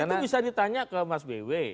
itu bisa ditanya ke mas bw